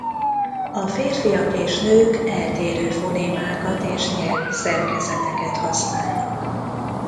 A férfiak és nők eltérő fonémákat és nyelvi szerkezeteket használnak.